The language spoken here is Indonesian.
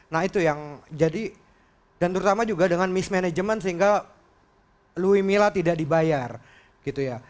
nah itu yang jadi dan terutama juga dengan mismanagement sehingga louis mila tidak dibayar gitu ya